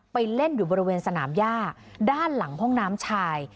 ไปเล่นอยู่บริเวณสนามย่าด้านหลังห้องน้ำชาย